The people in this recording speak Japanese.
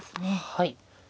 はい。